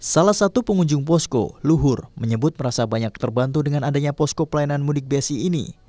salah satu pengunjung posko luhur menyebut merasa banyak terbantu dengan adanya posko pelayanan mudik besi ini